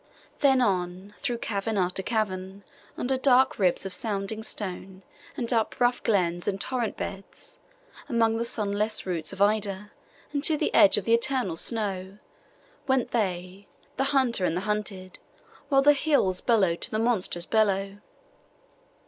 Then on, through cavern after cavern, under dark ribs of sounding stone, and up rough glens and torrent beds, among the sunless roots of Ida, and to the edge of the eternal snow, went they, the hunter and the hunted, while the hills bellowed to the monster's bellow.